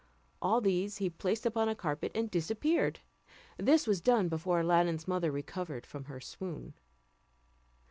All these he placed upon a carpet and disappeared; this was done before Aladdin's mother recovered from her swoon.